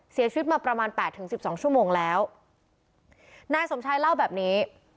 เสียชีวิตมาประมาณแปดถึงสิบสองชั่วโมงแล้วนายสมชายเล่าแบบนี้